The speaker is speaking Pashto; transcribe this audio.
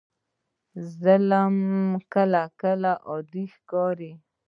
ظلم کله کله عادي ښکاري.